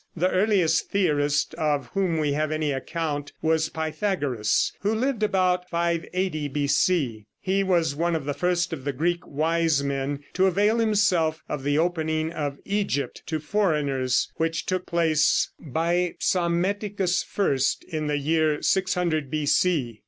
The earliest theorist of whom we have any account was Pythagoras, who lived about 580 B.C. He was one of the first of the Greek wise men to avail himself of the opening of Egypt to foreigners, which took place by Psammeticus I in the year 600 B.C.